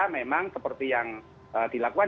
memang seperti yang dilakukan